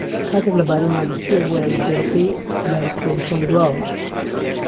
کاتێک لهبارهی مالیکییهوه بۆ یاریدهرهکهی هیلاری کلینتۆن دواوه